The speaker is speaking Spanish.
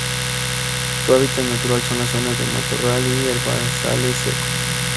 Su hábitat natural son las zonas de matorral y herbazales secos.